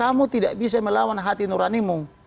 kamu tidak bisa melawan hati nuranimu